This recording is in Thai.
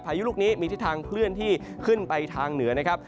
ยุลูกนี้มีทิศทางเคลื่อนที่ขึ้นไปทางเหนือนะครับ